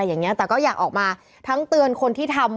อย่างนี้แต่ก็อยากออกมาทั้งเตือนคนที่ทำ